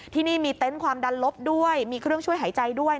ที่นี่มีเต็นต์ความดันลบด้วยมีเครื่องช่วยหายใจด้วย